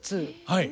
はい。